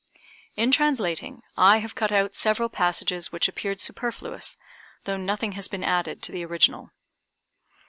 In translating I have cut out several passages which appeared superfluous, though nothing has been added to the original.